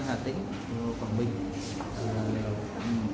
phát triển của các người đến